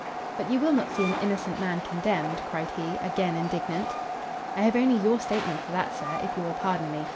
"But you will not see an innocent man condemned?" cried he, again indignant. "I have only your statement for that, sir, if you will pardon me.